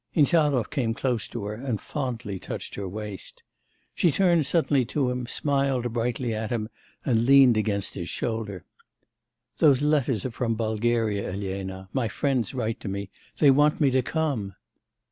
Insarov came close to her and fondly touched her waist. She turned suddenly to him, smiled brightly at him and leant against his shoulder. 'Those letters are from Bulgaria, Elena; my friends write to me, they want me to come.